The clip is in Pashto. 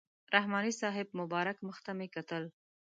رحماني صاحب مبارک مخ ته مې کتل.